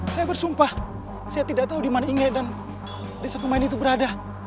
saya bersumpah saya tidak tahu dimana inge dan desa kumayan itu berada